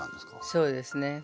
そうですね。